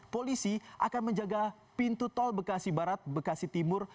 polisi akan menjaga pintu tol bekasi barat bekasi timur